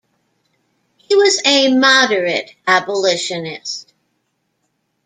He was a moderate abolitionist.